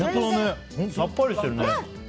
さっぱりしてるね。